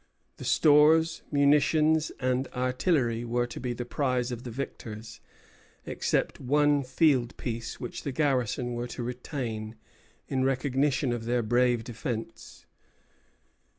The stores, munitions, and artillery were to be the prize of the victors, except one field piece, which the garrison were to retain in recognition of their brave defence.